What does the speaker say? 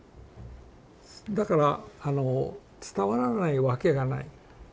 だから伝わらないわけがない。